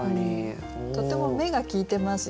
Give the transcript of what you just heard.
とても目が利いてますよね。